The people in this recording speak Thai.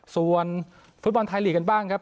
ส่วนฟุตบอลไทยลีกกันบ้างครับ